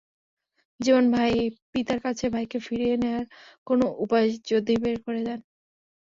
যেমন পিতার কাছে ভাইকে ফিরিয়ে নেয়ার কোন উপায় যদি বের করে দেন।